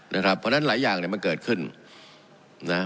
เพราะฉะนั้นหลายอย่างเนี่ยมันเกิดขึ้นนะ